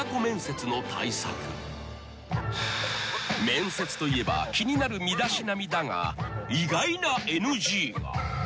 ［面接といえば気になる身だしなみだが］